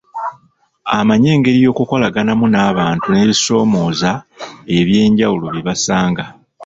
Amanyi engeri y'okukolaganamu n'abantu n'ebibasomooza eby'enjawulo bye basanga.